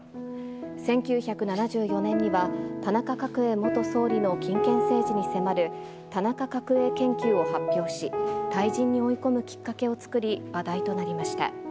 １９７４年には、田中角栄元総理の金権政治に迫る田中角栄研究を発表し、退陣に追い込むきっかけを作り、話題となりました。